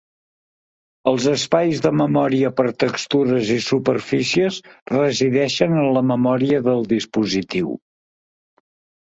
Els espais de memòria per textures i superfícies resideixen en la memòria del dispositiu.